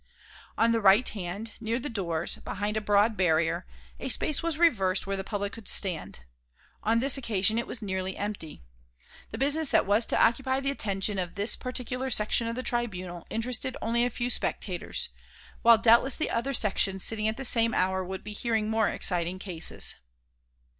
On the right hand, near the doors, behind a broad barrier, a space was reserved where the public could stand. On this occasion it was nearly empty. The business that was to occupy the attention of this particular section of the tribunal interested only a few spectators, while doubtless the other sections sitting at the same hour would be hearing more exciting cases.